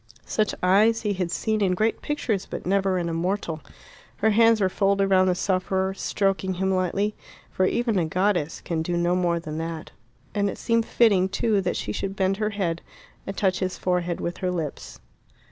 Such eyes he had seen in great pictures but never in a mortal. Her hands were folded round the sufferer, stroking him lightly, for even a goddess can do no more than that. And it seemed fitting, too, that she should bend her head and touch his forehead with her lips.